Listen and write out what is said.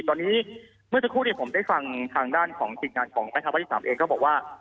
ตอนนี้เมื่อทุกคนเนี้ยผมได้ฟังทางด้านของติดงานของประธาบัติศาสตร์เองก็บอกว่า